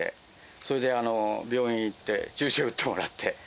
それで病院行って、注射打ってもらって。